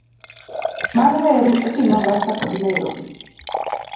mar reru e kind Mombasa kod Nairobi